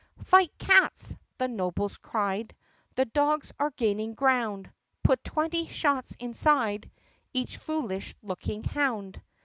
"Fight, cats !" the nobles cried, "The dogs are gaining ground. Put twenty shots inside Each foolish looking hound!"